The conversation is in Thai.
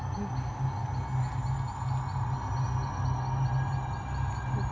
พี่ป๋องครับผมเคยไปที่บ้านผีคลั่งมาแล้ว